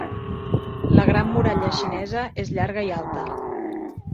La gran muralla xinesa és llarga i alta.